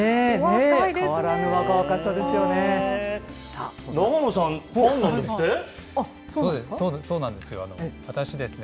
変わらぬ若々しさですよね。